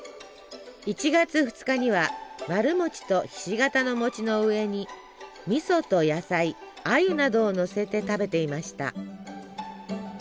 １月２日には丸餅とひし形の餅の上にみそと野菜あゆなどをのせて食べていました。